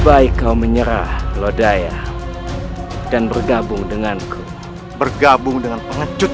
baiklah kalau itu keinginanmu